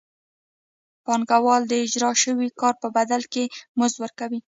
پانګوال د اجراء شوي کار په بدل کې مزد ورکوي